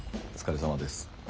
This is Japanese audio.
お疲れさまです。